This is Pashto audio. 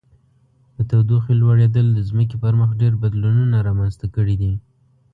د تودوخې لوړیدل د ځمکې پر مخ ډیر بدلونونه رامنځته کړي دي.